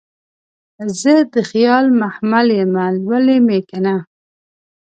زه دخیال محمل یمه لولی مې کنه